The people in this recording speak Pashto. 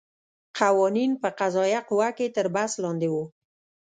قوانین په قضایه قوه کې تر بحث لاندې وو.